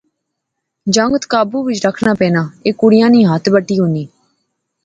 جنگت قابو وچ رکھنا پینا، ایہہ کڑیا نی ہتھ بٹی ہونی